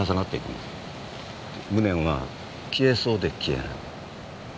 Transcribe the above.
無念は消えそうで消えない。